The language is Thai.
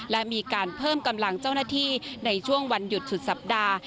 และมีการเพิ่มกำลังเจ้าหน้าที่ในช่วงวันหยุดสุดสัปดาห์